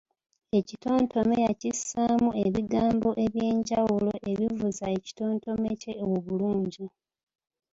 Ekitontome yakissaamu ebigambo eby’enjawulo ebivuza ekitontome kye obulungi.